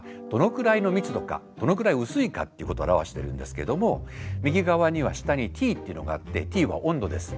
どのくらい薄いかっていうことを表してるんですけれども右側には下にＴというのがあってＴは温度です。